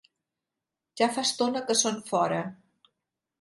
Ja fa estona que són fora.